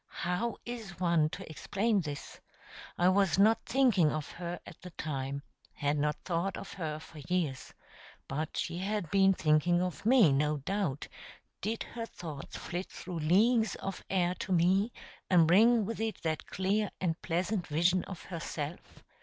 How is one to explain this? I was not thinking of her at the time; had not thought of her for years. But she had been thinking of me, no doubt; did her thoughts flit through leagues of air to me, and bring with it that clear and pleasant vision of herself?